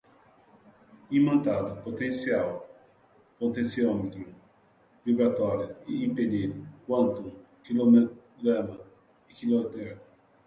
dínamo, pilha, bateria, imantado, potencial, potenciômetro, vibratória, impelir, quantum, quilograma, equilátero